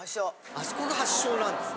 あそこが発祥なんです。